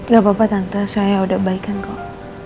gak apa apa tante saya udah baik kan kok